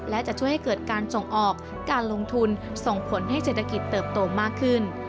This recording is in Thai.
และจะช่วยให้เกิดการส่งออกการลงทุนส่งผลให้เศรษฐกิจเติบโตมากขึ้น